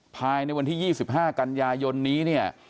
ภายในวันที่๒๕กันยายนนี้เนี่ย